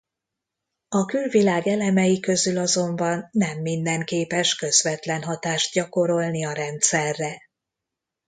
A külvilág elemei közül azonban nem minden képes közvetlen hatást gyakorolni a rendszerre.